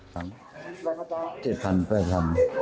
๗๐๐๐๘๐๐๐บาทได้แต่ครับว่าเขาจะให้